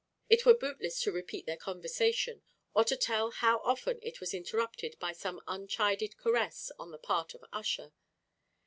It were bootless to repeat their conversation, or to tell how often it was interrupted by some unchided caress on the part of Ussher.